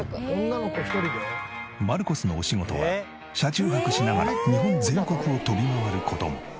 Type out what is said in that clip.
マルコスのお仕事は車中泊しながら日本全国を飛び回る事も。